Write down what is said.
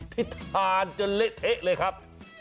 ที่ทานจนเละเทะเลยครับ